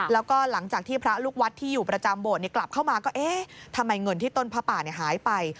แล้วก็หลังจากที่พระลูกวัดที่อยู่ประจำโบสถ์กลับเข้ามาก็เอ๊ะทำไมเงินที่ต้นพระป่าหายไป